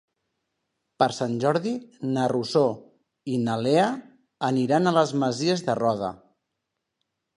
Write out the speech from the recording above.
Per Sant Jordi na Rosó i na Lea aniran a les Masies de Roda.